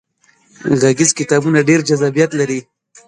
غږیز کتابونه ډیر جذابیت لري.